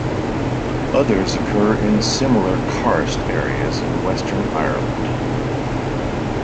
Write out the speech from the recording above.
Others occur in similar karst areas in western Ireland.